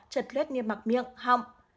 trật luyết niêm mạc miệng họng